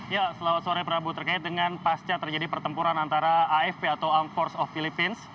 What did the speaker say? ya selalu suara prabu terkait dengan pasca terjadi pertempuran antara afp atau armed forces of philippines